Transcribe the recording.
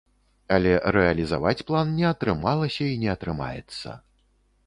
Але рэалізаваць план не атрымалася і не атрымаецца.